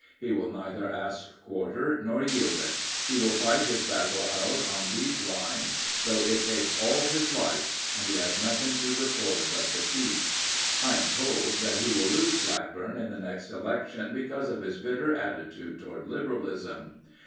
He will neither ask quarter nor yield it. He will fight his battle out on these lines though it takes all his life, and he has nothing to record but defeat. I am told that he will lose Blackburn at the next election because of his bitter attitude toward Liberalism.